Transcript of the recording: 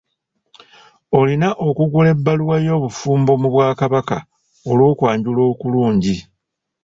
Olina okugula ebbaluwa y'obufumbo mu bwakabaka olw'okwanjula okulungi.